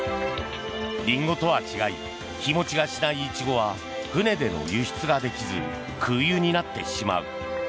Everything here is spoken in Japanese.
リンゴとは違い日持ちがしないイチゴは船での輸出ができず空輸になってしまう。